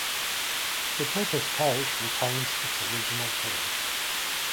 The church's parish retains its original form.